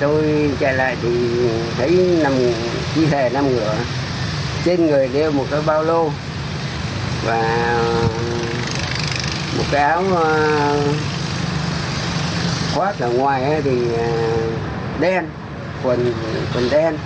tôi trở lại thì thấy chi thể năm ngựa trên người đeo một cái bao lô và một cái áo khoác ở ngoài thì đen quần đen